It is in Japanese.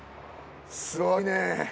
すごいね。